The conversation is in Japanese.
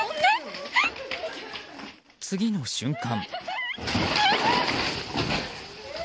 次の瞬間。